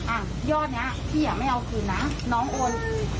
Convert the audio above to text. อ่ะยอดนี้พี่ไม่เอาคืนนะน้องโอน